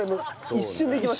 一瞬で。